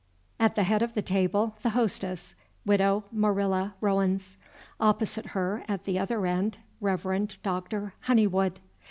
At the head of the table, the Hostess, Widow Marilla Rowens. Opposite her, at the other end, Rev. Dr. Honeywood.